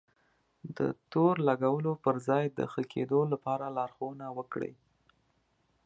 د تور لګولو پر ځای د ښه کېدو لپاره لارښونه وکړئ.